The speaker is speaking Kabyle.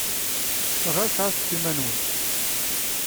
Ɣas ɛasset iman-nwen!